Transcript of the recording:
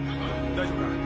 大丈夫か！？